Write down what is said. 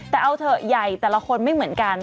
แต่เอาเถอะใหญ่แต่ละคนไม่เหมือนกัน